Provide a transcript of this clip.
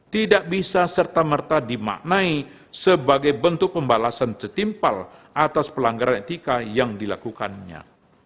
tidak bisa serta merta dimaknai sebagai bentuk pembalasan setimpal atas pelanggaran etika yang dilakukannya